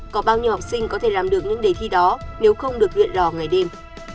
có bao nhiêu học sinh có thể làm được những đề thi đó nếu không được luyện đỏ ngày đêm